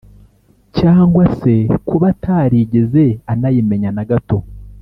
cyangwa se kuba atarigeze anayimenya na gato